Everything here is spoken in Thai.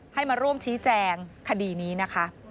ให้มาร่วมชี้แจงคดีนี้นะคะ